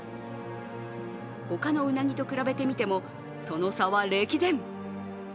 ほかのうなぎと比べてみてもその差は歴然。